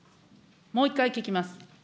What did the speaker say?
もう１回聞きます。